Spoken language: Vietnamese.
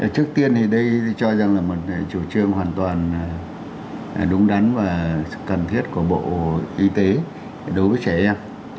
trước tiên thì đây cho rằng là một chủ trương hoàn toàn đúng đắn và cần thiết của bộ y tế đối với trẻ em